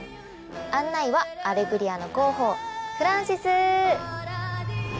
案内は『アレグリア』の広報フランシス！